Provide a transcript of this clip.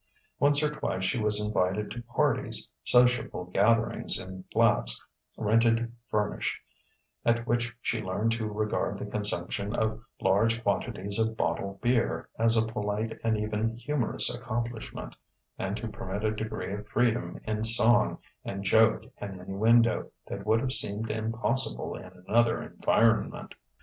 Once or twice she was invited to "parties", sociable gatherings in flats rented furnished, at which she learned to regard the consumption of large quantities of bottled beer as a polite and even humorous accomplishment, and to permit a degree of freedom in song and joke and innuendo that would have seemed impossible in another environment.